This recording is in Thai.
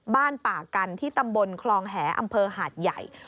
บ้านป่ากันที่ตำบลคลองแหอำเภอหาดใหญ่